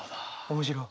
面白い。